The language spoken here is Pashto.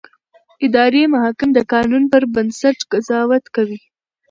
اداري محاکم د قانون پر بنسټ قضاوت کوي.